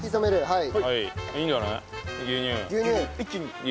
はい。